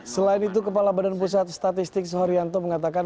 selain itu kepala badan pusat statistik suharyanto mengatakan